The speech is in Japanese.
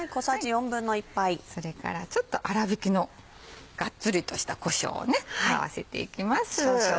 それからちょっと粗挽きのがっつりとしたこしょうを合わせていきます。